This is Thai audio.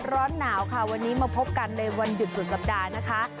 ร้อนหนาวค่ะวันนี้มาพบกันในวันหยุดสุดสัปดาห์นะคะ